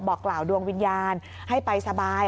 บอกกล่าวดวงวิญญาณให้ไปสบาย